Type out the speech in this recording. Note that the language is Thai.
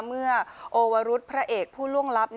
เมื่อโอวรุษพระเอกผู้ล่วงลับ